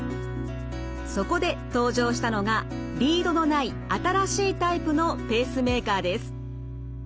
そこで登場したのがリードのない新しいタイプのペースメーカーです。